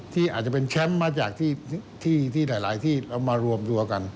ที่อาจจะเป็นแชมป์มาจากที่หลายที่เอามารวมตัวกัน